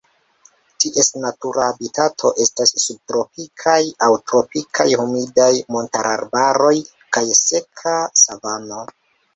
Ties natura habitato estas subtropikaj aŭ tropikaj humidaj montararbaroj kaj seka savano.